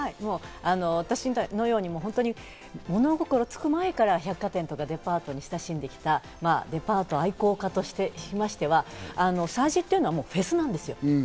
私のように物心つく前から百貨店とかデパートに親しんできたデパート愛好家としましては催事というのはもうフェスなんです。